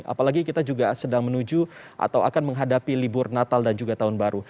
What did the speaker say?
apalagi kita juga sedang menuju atau akan menghadapi libur natal dan juga tahun baru